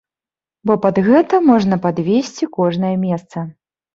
Бо пад гэта можна падвесці кожнае месца.